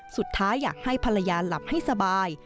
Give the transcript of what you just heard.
สุดท้ายอยากให้ภรรยาหลับให้สบาย